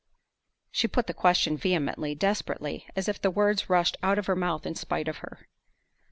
She put the question vehemently, desperately, as if the words rushed out of her mouth in spite of her.